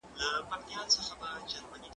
کېدای سي زه منډه ووهم!؟